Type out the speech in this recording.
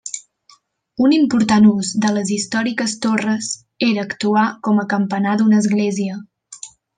Un important ús de les històriques torres era actuar com a campanar d'una església.